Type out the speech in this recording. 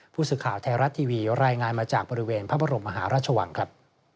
ผู้สื่อข่าวไทยรัฐทีวีรายงานมาจากบริเวณพระบรมมหาราชวังครับ